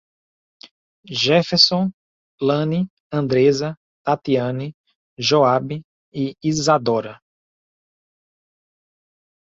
Geferson, Iane, Andressa, Tatiane, Joabe e Isadora